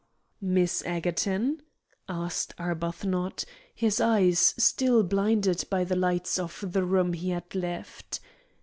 "Miss Egerton?" asked Arbuthnot, his eyes still blinded by the lights of the room he had left.